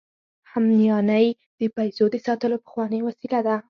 همیانۍ د پیسو د ساتلو پخوانۍ وسیله ده